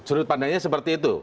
sudut pandangnya seperti itu